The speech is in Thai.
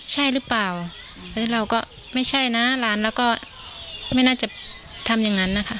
ใช่หรือเปล่าแล้วเราก็ไม่ใช่นะหลานเราก็ไม่น่าจะทำอย่างนั้นนะคะ